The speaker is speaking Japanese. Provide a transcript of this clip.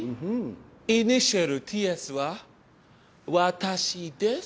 イニシャルＴ・Ｓは私です。